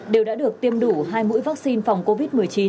đều đã được tiêm đủ hai mũi vaccine phòng covid một mươi chín